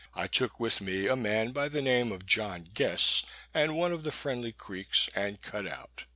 I took with me a man by the name of John Guess, and one of the friendly Creeks, and cut out.